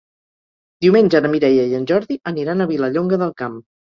Diumenge na Mireia i en Jordi aniran a Vilallonga del Camp.